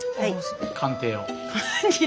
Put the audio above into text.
鑑定を。